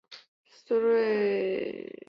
洼点蓼为蓼科蓼属下的一个变种。